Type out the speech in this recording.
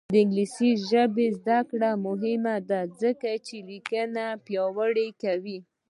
د انګلیسي ژبې زده کړه مهمه ده ځکه چې لیکنه پیاوړې کوي.